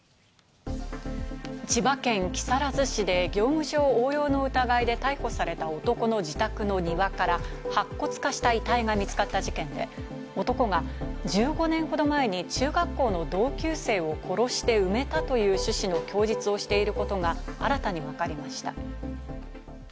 千葉県木更津市で業務上横領の疑いで逮捕された男の自宅の庭から白骨化した遺体が見つかった事件で、男が１５年ほど前に中学校の同級生を殺して埋めたという趣旨の供述をしていることが新たに分かりました。